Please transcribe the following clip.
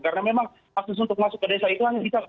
karena memang akses untuk masuk ke desa itu hanya bisa